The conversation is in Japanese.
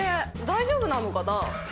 大丈夫なのかな？